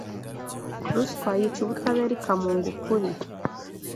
Ruswa yica ubutabera ikamunga ukuri